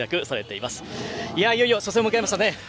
いよいよ初戦を迎えましたね。